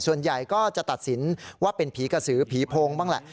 ส่วนใหญ่ก็จะตัดสินว่าเป็นผีกระสือผีโพงบ้างแหละ